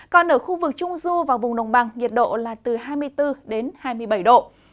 còn ở khu vực trung du và vùng đồng bằng nhiệt độ là từ hai mươi bốn đến hai mươi bảy độ